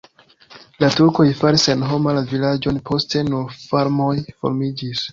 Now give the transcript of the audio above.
La turkoj faris senhoma la vilaĝon, poste nur farmoj formiĝis.